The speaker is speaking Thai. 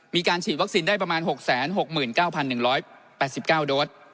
มีการฉีดวัคซีนได้ประมาณหกแสนหกหมื่นเก้าพันหนึ่งร้อยแปดสิบเก้าโดรส